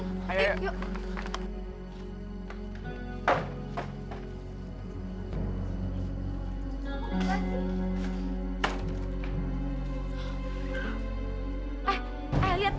jika kamu ingat itu adalah masalahmu